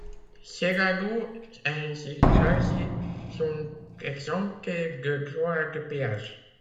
Ces radeaux ainsi chargés sont exemptés de droits de péage.